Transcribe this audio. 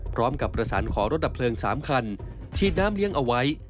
พร้อมกับประสานขอรถดับเพลิง๓คันฉีดน้ำเลี้ยงเอาไว้